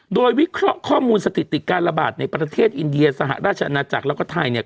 โดยวิเคราะห์ข้อมูลสถิติการระบาดในประเทศอินเดียสหราชอาณาจักรแล้วก็ไทยเนี่ย